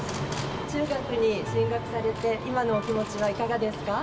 中学に進学されて、今のお気持ちはいかがですか。